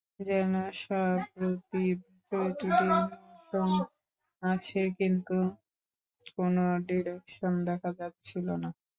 যেন সপ্রতিভ চরিত্রটির মোশন আছে কিন্তু কোনো ডিরেকশন দেখা যাচ্ছিল না।